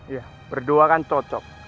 ya berdua kan cocok